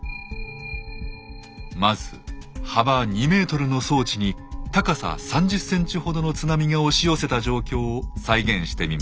まず幅２ｍの装置に高さ３０センチほどの津波が押し寄せた状況を再現してみます。